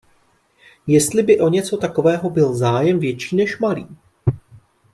Jestli by o něco takového byl zájem větší než malý.